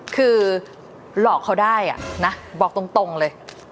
คือหลอกเขาได้นะบอกตรงเลย